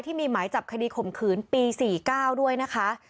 ที่มีหมายจับคดีข่มขืนปี๔๙ด้วยนะคะ